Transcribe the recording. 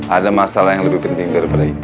ada masalah yang lebih penting daripada itu